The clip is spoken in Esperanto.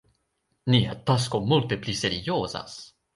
Nia tasko multe pli seriozas!